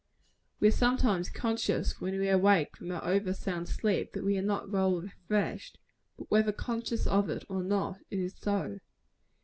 We are sometimes conscious, when we awake from an over sound sleep, that we are not well refreshed; but whether conscious of it or not, it is so.